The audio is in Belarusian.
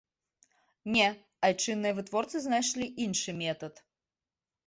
Не, айчынныя вытворцы знайшлі іншы метад.